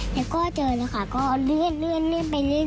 แล้วก็เจอนะคะก็เลื่อนไปเรื่อย